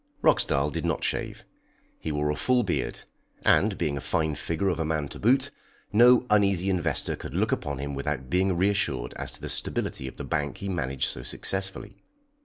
Roxdal did not shave. He wore a full beard, and, being a fine figure of a man to boot, no uneasy investor could look upon him without being reassured as to the stability of the bank he managed so successfully.